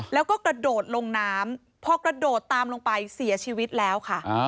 แล้วก็กระโดดลงน้ำพอกระโดดตามลงไปเสียชีวิตแล้วค่ะ